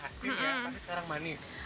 asin ya tapi sekarang manis